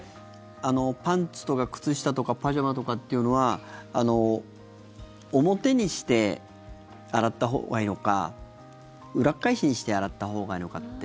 パンツとか靴下とかパジャマとかっていうのは表にして洗ったほうがいいのか裏返しにして洗ったほうがいいのかって。